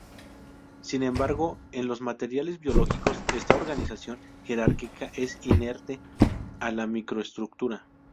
Sin embargo, en los materiales biológicos esta organización jerárquica es inherente a la microestructura.